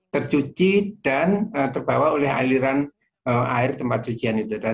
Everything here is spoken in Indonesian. tercuci dan terbawa oleh aliran air tempat cucian itu